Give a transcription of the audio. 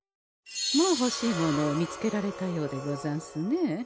もうほしいものを見つけられたようでござんすね。